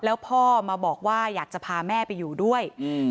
แล้วพ่อมาบอกว่าอยากจะพาแม่ไปอยู่ด้วยอืม